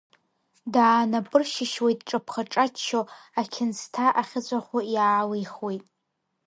Даанапыршьышьуеит, дҿаԥха-ҿаччо, ақьынсҭа ахьыҵәаху иаалихуеит.